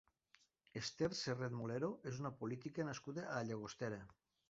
Esther Sarret Molero és una política nascuda a Llagostera.